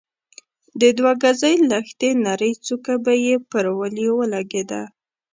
د دوه ګزۍ لښتې نرۍ څوکه به يې پر وليو ولګېده.